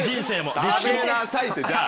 食べなさいってじゃあ。